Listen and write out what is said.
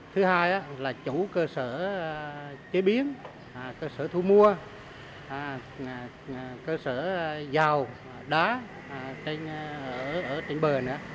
thứ hai là chủ cơ sở chế biến cơ sở thu mua cơ sở dào đá trên bờ nữa